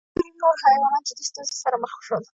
خو ډېر نور حیوانات جدي ستونزو سره مخ شول.